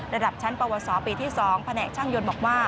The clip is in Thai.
ระดับชั้นปวสปีที่๒แผนกช่างยนต์บอกว่า